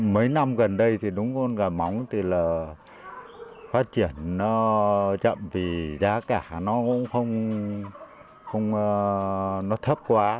mấy năm gần đây thì đúng con gà móng thì là phát triển nó chậm vì giá cả nó cũng không thấp quá